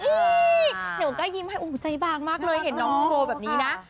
เดี๋ยวก็ยิ้มให้ใจบางมากเลยเห็นน้องโชว์แบบนี้นะ